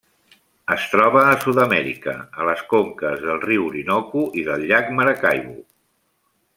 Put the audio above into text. Es troba a Sud-amèrica, a les conques del riu Orinoco i del llac Maracaibo.